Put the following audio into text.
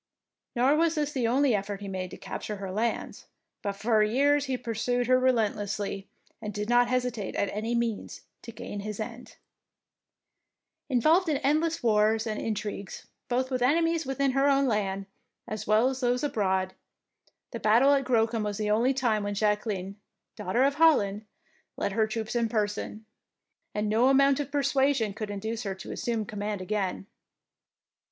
Nor was this the only effort he made to capture her lands, but for years he pursued her relentlessly, and did not hesitate at any means to gain his end. 93 DEEDS OF DARING Involved in endless wars and in trigues both with enemies within her own land as well as those abroad, the battle at Grrocum was the only time when Jacqueline, Daughter of Holland, led her troops in person, and no amount of persuasion could induce her to assume command again.